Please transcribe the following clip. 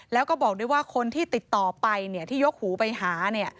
แล้วก็บอกด้วยว่าคนที่ติดต่อไปที่ยกหูไปหา